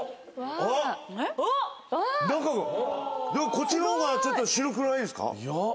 こっちの方がちょっと白くないですか？